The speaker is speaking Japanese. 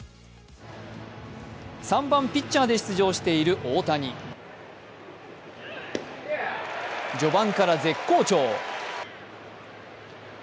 ３番ピッチャーで出場している大谷序盤から絶好調。